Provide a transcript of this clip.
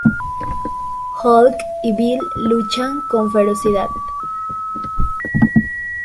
Hulk y Bill luchan con ferocidad.